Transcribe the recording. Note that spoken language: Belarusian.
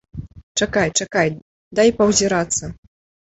Чакай, чакай, дай паўзірацца.